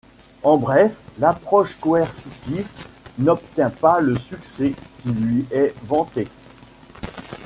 En bref, l'approche coercitive n'obtient pas le succès qui lui est vanté.